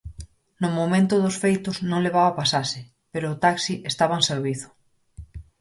No momento dos feitos non levaba pasaxe, pero o taxi estaba en servizo.